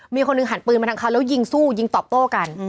มีคนหนึ่งหันปืนมาทางเขาแล้วยิงสู้ยิงตอบโต้กัน